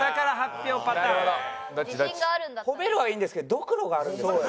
「ホメる」はいいんですけどドクロがあるんですけど。